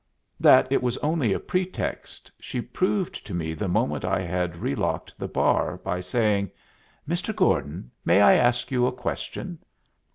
That it was only a pretext she proved to me the moment I had relocked the bar, by saying, "Mr. Gordon, may I ask you a question?"